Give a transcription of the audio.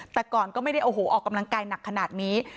แต่ก่อนก็ไม่ได้โอ้โหออกกำลังกายหนักขนาดนี้